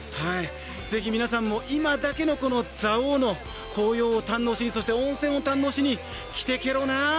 ぜひ皆さんも今だけの蔵王の紅葉を堪能し、そして温泉を堪能しに来てけろな。